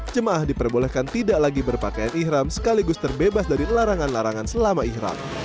jemaah diperbolehkan tidak lagi berpakaian ikhram sekaligus terbebas dari larangan larangan selama ikhram